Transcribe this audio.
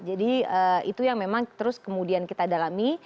jadi itu yang memang terus kemudian kita dalami